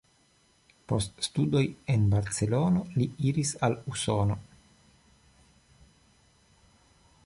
Post studoj en Barcelono li iris al Usono.